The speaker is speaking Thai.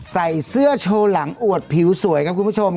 ใส่เสื้อโชว์หลังอวดผิวสวยครับคุณผู้ชม